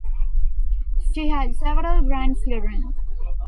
She had several grandchildren.